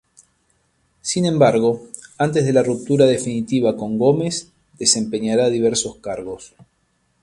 Sin embargo, antes de la ruptura definitiva con Gómez, desempeñará diversos cargos.